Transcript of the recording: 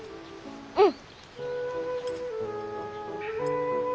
うん。